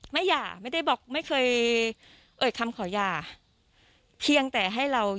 ไม่อย่าไม่ได้บอกไม่เคยเอิดคำขออย่า